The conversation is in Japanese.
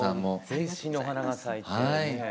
全身にお花が咲いてね